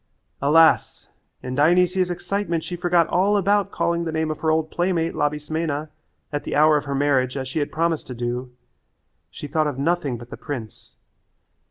Alas! In Dionysia's excitement she forgot all about calling the name of her old playmate, Labismena, at the hour of her marriage as she had promised to do. She thought of nothing but the prince.